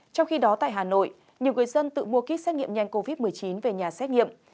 trong khi đó tại hà nội nhiều người dân tự mua kýt xét nghiệm nhanh covid một mươi chín về nhà xét nghiệm